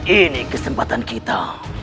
ini kesempatan kita